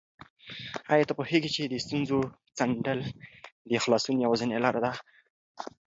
آیا ته پوهېږې چې د ستونزو څنډل د خلاصون یوازینۍ لاره ده؟